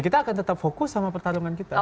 kita akan tetap fokus sama pertarungan kita